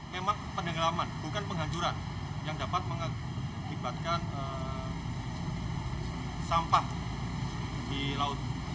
memang penenggelaman bukan penghancuran yang dapat mengakibatkan sampah di laut